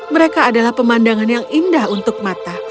mereka adalah pemandangan yang indah untuk mata